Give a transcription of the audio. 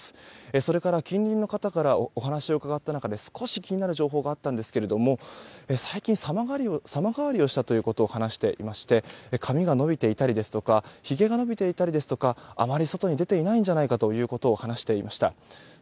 それから近隣の方からお話を伺った中で少し気になる情報があったんですけども最近、様変わりをしたということを話していまして髪が伸びていたりひげが伸びていたりとか、あまり外に出ていないんじゃないかと話していました。